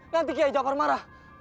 nanti kiai jawab parmara